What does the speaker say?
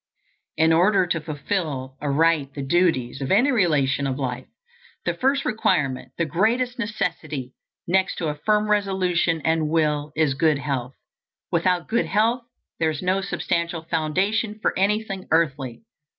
In order to fulfill aright the duties of any relation of life, the first requirement the greatest necessity, next to a firm resolution and will, is good health. Without good health there is no substantial foundation for anything earthly.